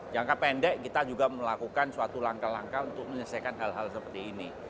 jangka pendek kita juga melakukan suatu langkah langkah untuk menyelesaikan hal hal seperti ini